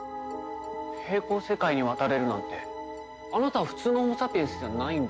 並行世界に渡れるなんてあなたは普通のホモサピエンスではないんですね？